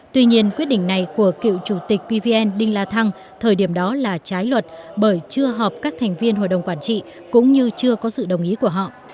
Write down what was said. tuy nhiên quyết định này của cựu chủ tịch pvn đinh la thăng thời điểm đó là trái luật bởi chưa họp các thành viên hội đồng quản trị cũng như chưa có sự đồng ý của họ